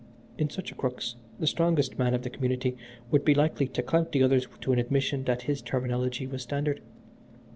In such a crux the strongest man of the community would be likely to clout the others to an admission that his terminology was standard.